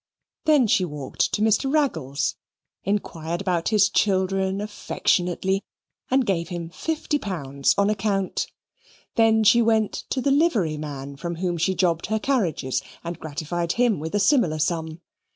Then she walked to Mr. Raggles, inquired about his children affectionately, and gave him fifty pounds on account. Then she went to the livery man from whom she jobbed her carriages and gratified him with a similar sum.